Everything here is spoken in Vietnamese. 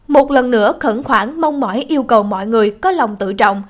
một lần nữa khẩn khoản mong mỏi yêu cầu mọi người có lòng tự trọng